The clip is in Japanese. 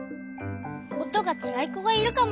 「おとがつらいこがいるかも。